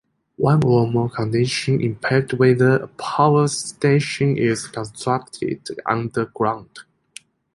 One or more conditions impact whether a power station is constructed underground.